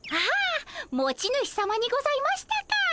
あ持ち主さまにございましたか。